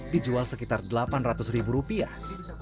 dijual sekitar delapan ratus ribu rupiah